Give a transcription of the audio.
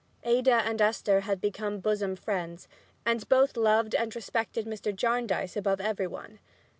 Ada and Esther had become bosom friends, and both loved and respected Mr. Jarndyce above every one.